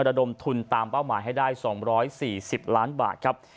ระดมทุนตามเป้าหมายให้ได้๒๔๐ล้านบาทครับ